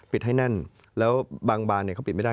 ให้แน่นแล้วบางบานเขาปิดไม่ได้